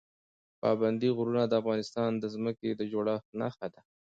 پابندي غرونه د افغانستان د ځمکې د جوړښت نښه ده.